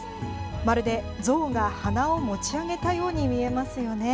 まるで象が鼻を持ち上げたように見えますよね。